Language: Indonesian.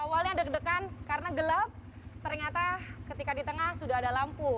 awalnya deg degan karena gelap ternyata ketika di tengah sudah ada lampu